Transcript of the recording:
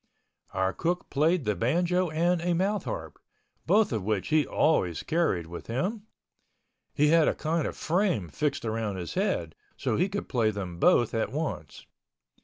Our cook played the banjo and a mouth harp, both of which he always carried with him. He had a kind of a frame fixed around his head so he could play them both at once.